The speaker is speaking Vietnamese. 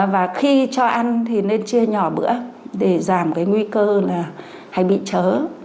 và khi cho ăn thì nên chia nhỏ bữa để giảm cái nguy cơ là hay bị chớ